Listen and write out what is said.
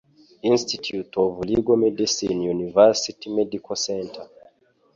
institute of legal medecine university medical center